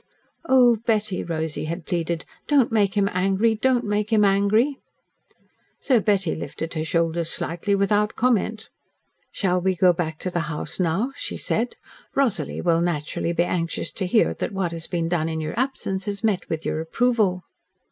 "Oh, Betty," Rosy had pleaded, "don't make him angry don't make him angry." So Betty lifted her shoulders slightly without comment. "Shall we go back to the house now?" she said. "Rosalie will naturally be anxious to hear that what has been done in your absence has met with your approval."